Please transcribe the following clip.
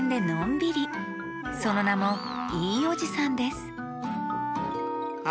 そのなも「いいおじさん」ですあ